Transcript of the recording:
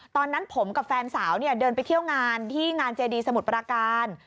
ตอนนั้นผมกับแฟนสาวเดินไปเที่ยวงานที่งานเจดีสมุทรปราการ